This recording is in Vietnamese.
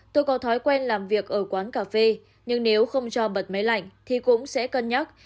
tôi có thói quen làm việc ở quán cà phê nhưng nếu không cho bật máy lạnh thì cũng sẽ cân nhắc